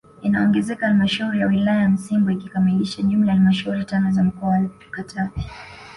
Inaongezeka halmashauri ya wilaya Nsimbo ikikamilisha jumla ya halmashauri tano za mkoa wa Katavi